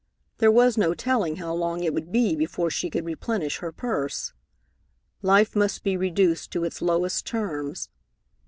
There was no telling how long it would be before she could replenish her purse. Life must be reduced to its lowest terms.